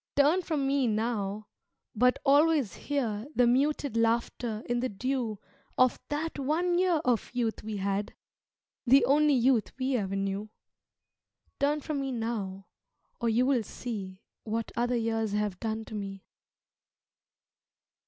Turn from me now, but always hear The muted laughter in the dew Of that one year of youth we had, The only youth we ever knew Turn from me now, or you will see What other years have done to me.